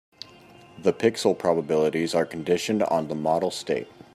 The pixel probabilities are conditioned on the model state.